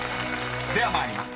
［では参ります。